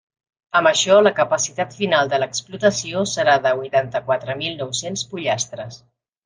Amb això, la capacitat final de l'explotació serà de huitanta-quatre mil nou-cents pollastres.